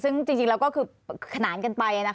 ซึ่งจริงแล้วก็คือขนานกันไป